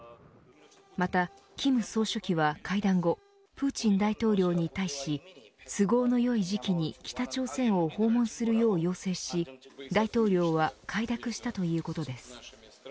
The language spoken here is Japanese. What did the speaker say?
また、金総書記は会談後プーチン大統領に対し都合のよい時期に北朝鮮を訪問するよう要請し大統領は快諾したということです。